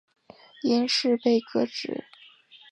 因事被革职。